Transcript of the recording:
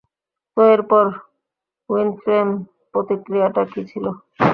তো এরপর উইনফ্রের প্রতিক্রিয়াটা কী ছিল?